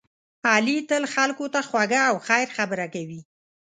علی تل خلکو ته خوږه او خیر خبره کوي.